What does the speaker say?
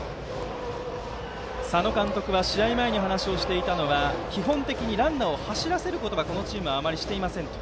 佐野監督が試合前に話していたのが基本的にランナーを走らせることはこのチームはあまりしていませんと。